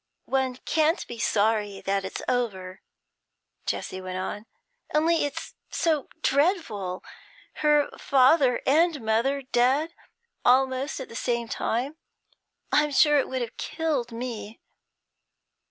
'One can't be sorry that it's over,' Jessie went on, 'only it's so dreadful, her father and mother dead almost at the same time. I'm sure it would have killed me.'